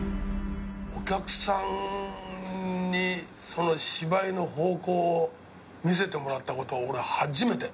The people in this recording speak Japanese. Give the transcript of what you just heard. お客さんに芝居の方向を見せてもらったことは俺初めて。